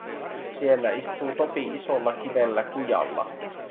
Siellä istuu Topi isolla kivellä kujalla.